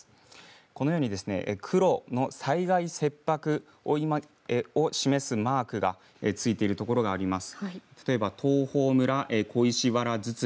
このように黒、災害切迫を示すマークがついている所があります。